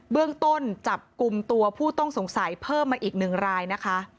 เบื้องต้นจับกลุ่มตัวผู้ต้องสงสัยเพิ่มมาอีกหนึ่งรายนะคะ